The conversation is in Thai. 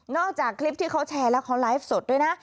จากคลิปที่เขาแชร์แล้วเขาไลฟ์สดด้วยนะ